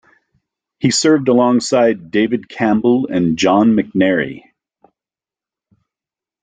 He served alongside David Campbell and John McNairy.